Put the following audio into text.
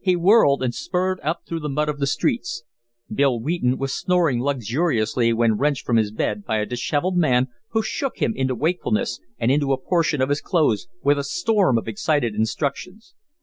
He whirled and spurred up through the mud of the streets. Bill Wheaton was snoring luxuriously when wrenched from his bed by a dishevelled man who shook him into wakefulness and into a portion of his clothes, with a storm of excited instructions.